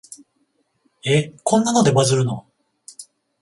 え、こんなのでバズるの？